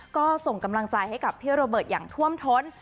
ก็ส่งกำลังใจให้กับพี่โรเบิร์ตอย่างท่วมท้น